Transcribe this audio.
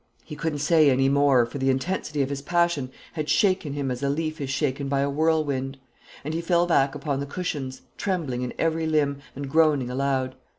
He couldn't say any more, for the intensity of his passion had shaken him as a leaf is shaken by a whirlwind; and he fell back upon the cushions, trembling in every limb, and groaning aloud.